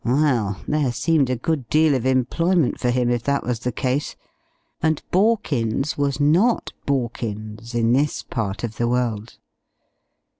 Well, there seemed a good deal of employment for him, if that was the case. And Borkins was not Borkins in this part of the world.